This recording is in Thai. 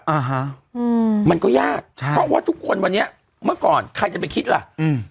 อ่าฮะอืมมันก็ยากใช่เพราะว่าทุกคนวันนี้เมื่อก่อนใครจะไปคิดล่ะอืม